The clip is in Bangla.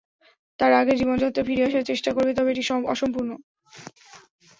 তার আগের জীবনযাত্রায় ফিরে আসার চেষ্টা করবে, তবে এটি অসম্পূর্ণ।